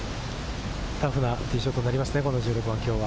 タフなティーショットになりますね、１６番、きょうは。